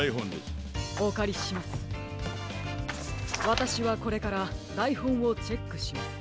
わたしはこれからだいほんをチェックします。